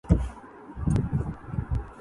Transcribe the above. ان کا علاج ہونا چاہیے۔